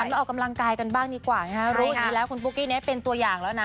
ขันแล้วออกกำลังกายกันบ้างดีกว่ารู้ดีแล้วคุณโป๊กี้นี่เป็นตัวอย่างแล้วนะ